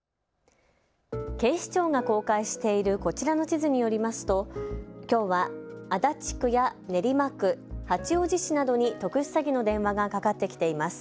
警視庁が公開しているこちらの地図によりますときょうは足立区や練馬区、八王子市などに特殊詐欺の電話がかかってきています。